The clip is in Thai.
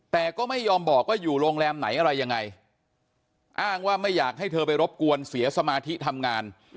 แต่ก็ไม่ยอมบอกว่าอยู่โรงแรมไหนอะไรยังไงอ้างว่าไม่อยากให้เธอไปรบกวนเสียสมาธิทำงาน